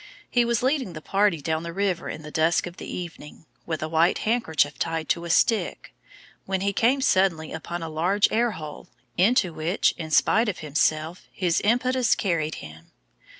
He was leading the party down the river in the dusk of the evening, with a white handkerchief tied to a stick, when he came suddenly upon a large air hole into which, in spite of himself, his impetus carried him.